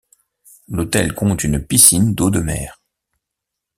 L'hôtel compte une piscine d'eau de mer.